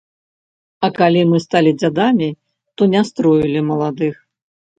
А калі мы сталі дзядамі, то не строілі маладых.